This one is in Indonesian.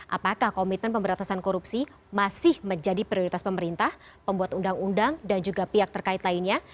apakah komitmen pemberantasan korupsi masih menjadi prioritas pemerintah pembuat undang undang dan juga pihak terkait lainnya